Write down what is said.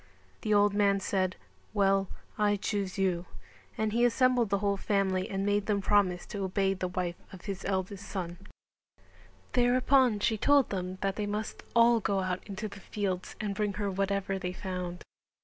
The old man said "Well, I choose you," and he assembled the whole family and made them promise to obey the wife of his eldest son. Thereupon she told them that they must all go out into the fields and bring her whatever they found.